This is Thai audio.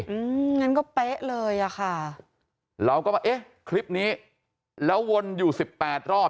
อืมงั้นก็เป๊ะเลยอ่ะค่ะเราก็ว่าเอ๊ะคลิปนี้แล้ววนอยู่สิบแปดรอบ